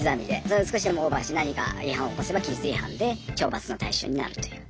それを少しでもオーバーして何か違反を起こせば規律違反で懲罰の対象になるという。